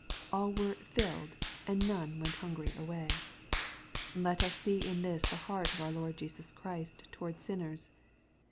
All were "filled," and none went hungry away. Let us see in this the heart of our Lord Jesus Christ towards sinners.